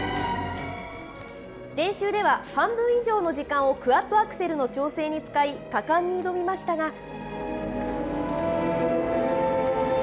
練習では、半分以上の時間をクワッドアクセルの調整に使い、果敢に挑みましたが。